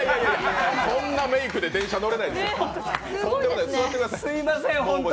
そんなメイクで電車乗れないです。